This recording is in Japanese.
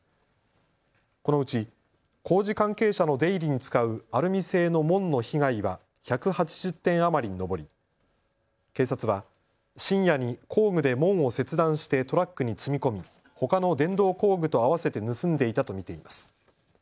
このうち工事関係者の出入りに使うアルミ製の門の被害は１８０点余りに上り警察は深夜に工具で門を切断してトラックに積み込みほかの電動工具と合わせて盗んでいたと見ています。